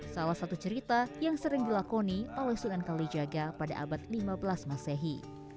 salah satu cerita yang sering dilakoni oleh sunan kalijaga pada abad lima belas masehi